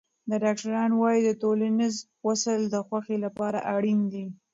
ډاکټران وايي ټولنیز وصل د خوښۍ لپاره اړین دی.